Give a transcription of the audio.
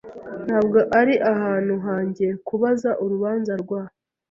Ntabwo ari ahantu hanjye kubaza urubanza rwa .